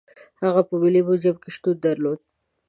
هغه په ملي موزیم کې شتون درلود.